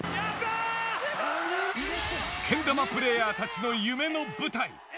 けん玉プレイヤーたちの夢の舞台。